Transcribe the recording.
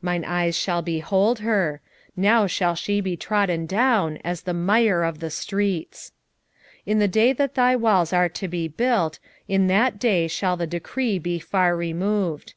mine eyes shall behold her: now shall she be trodden down as the mire of the streets. 7:11 In the day that thy walls are to be built, in that day shall the decree be far removed.